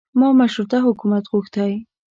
ما مشروطه حکومت غوښتی.